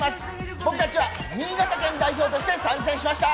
僕たちは新潟県代表として参戦しました！